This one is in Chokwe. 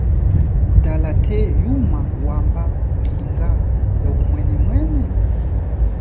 Kutala the, yuma wamba kulinga ya umwenemwene?